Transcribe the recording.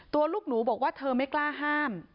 ลูกหนูบอกว่าเธอไม่กล้าห้าม